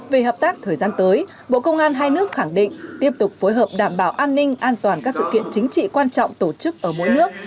về hợp tác thời gian tới bộ công an hai nước khẳng định tiếp tục phối hợp đảm bảo an ninh an toàn các sự kiện chính trị quan trọng tổ chức ở mỗi nước